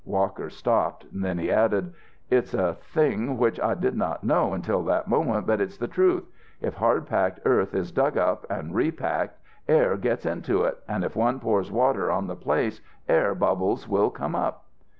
Walker stopped, then he added: "It's a thing which I did not know until that moment, but it's the truth. If hard packed earth is dug up and repacked air gets into it, and if one pours water on the place air bubbles will come up."